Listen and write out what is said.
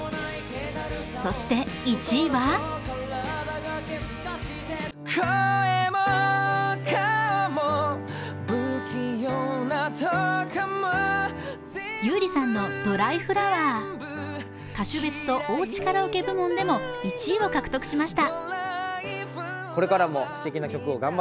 そして、１位は優里さんの「ドライフラワー」歌手別と、おうちカラオケ部門でも１位を獲得しました。